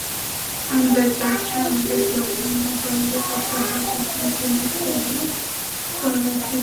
সন্ধ্যায় তাঁর সঙ্গে যখন মোবাইলে কথা হয়, তখন তিনি ট্রেনে খুলনায় ফিরছেন।